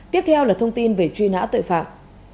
tiếp theo là thông tin về truy nã tội phạm